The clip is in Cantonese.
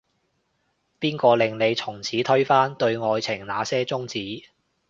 邊個令你從此推翻，對愛情那些宗旨